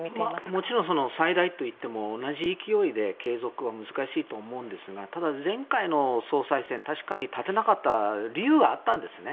もちろん最大といっても同じ勢いで継続は難しいと思うんですがただ、前回の総裁選確かに立てなかった理由はあったんですね。